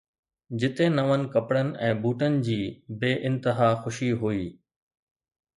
جتي نون ڪپڙن ۽ بوٽن جي بي انتها خوشي هئي.